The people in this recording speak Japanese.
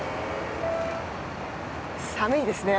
寒いですね